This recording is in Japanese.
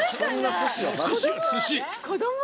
寿司は寿司！